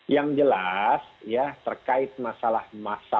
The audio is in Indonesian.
yang jelas ya terkait masalah masa waktu